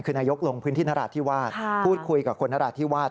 คือนายกลงพื้นที่นราธิวาสพูดคุยกับคนนราธิวาส